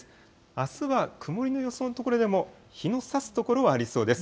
あすは曇りの予想の所でも、日のさす所はありそうです。